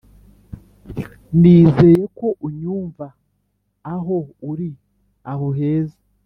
nizeye ko unyumwa aho uri aho heza